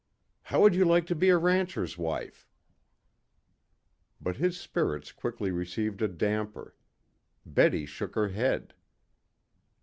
How would you like to be a rancher's wife?" But his spirits quickly received a damper. Betty shook her head.